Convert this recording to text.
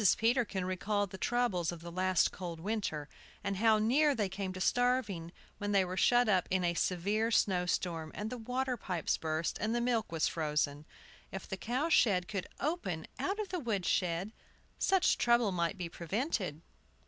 Peterkin recalled the troubles of the last cold winter, and how near they came to starving, when they were shut up in a severe snow storm, and the water pipes burst, and the milk was frozen. If the cow shed could open out of the wood shed, such trouble might be prevented.